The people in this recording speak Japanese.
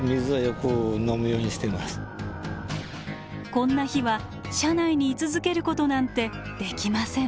こんな日は車内に居続けることなんてできません。